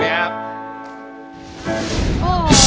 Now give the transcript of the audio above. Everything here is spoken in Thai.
แมม